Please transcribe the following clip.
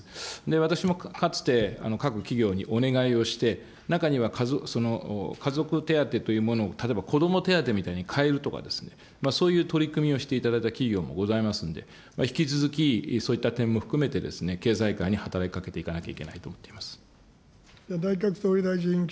私もかつて、各企業にお願いをして、中には家族手当というもの、例えば子ども手当みたいに変えるとかですね、そういう取り組みをしていただいた企業もございますんで、引き続き、そういった点も含めて、経済界に働きかけていかなきゃいけないと思っております。